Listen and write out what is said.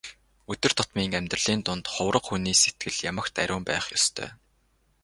Өдөр тутмын амьдралын дунд хувраг хүний сэтгэл ямагт ариун байх ёстой.